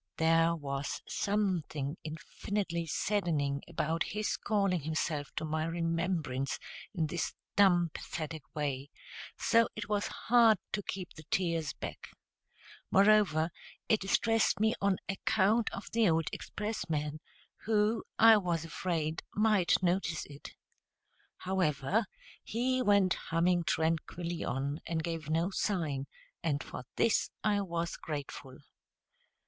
There was something infinitely saddening about his calling himself to my remembrance in this dumb pathetic way, so it was hard to keep the tears back. Moreover, it distressed me on account of the old expressman, who, I was afraid, might notice it. However, he went humming tranquilly on, and gave no sign; and for this I was grateful.